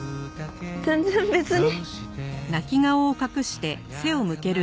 全然別に。